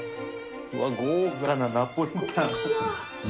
豪華なナポリタン。